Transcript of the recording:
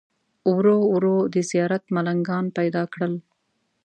ورو ورو دې زیارت ملنګان پیدا کړل.